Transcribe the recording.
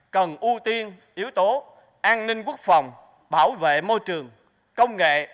cần ưu tiên yếu tố an ninh quốc phòng bảo vệ môi trường công nghệ